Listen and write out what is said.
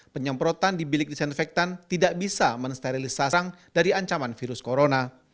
penyemprotan di bilik disinfektan tidak bisa mensterilisasi sarang dari ancaman virus corona